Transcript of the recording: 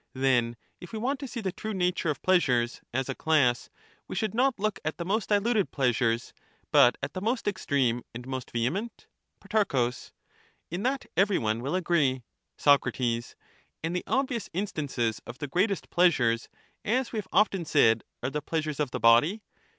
Then if we want to see the true nature of pleasures 45 as a class, we should not look at the most diluted pleasures, but at the most extreme and most vehement ? Pro. In that every one will agree. Soc. And the obvious instances of the greatest pleasures. The as we have often said, are the pleasures of the body